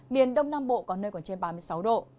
miền đông nam bộ có nơi còn trên ba mươi sáu độ